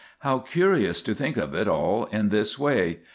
How curious to think of it all in this way!